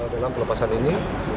dalam pelepasan ini